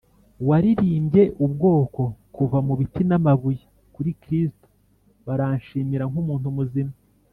waririmbye ubwoko kuva mubiti n'amabuye kuri kristo.baranshimira nkumuntu muzima,